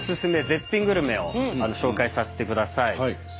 絶品グルメを紹介させてください。